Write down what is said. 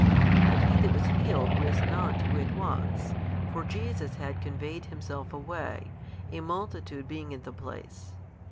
But he that was healed wist not Who it was: for Jesus had conveyed Himself away, a multitude being in the place.